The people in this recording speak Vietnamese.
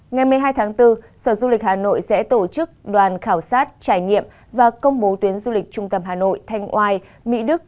ngày một mươi hai tháng bốn sở du lịch hà nội sẽ tổ chức đoàn khảo sát trải nghiệm và công bố tuyến du lịch trung tâm hà nội thanh oai mỹ đức